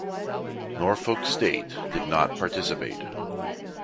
Norfolk State did not participate.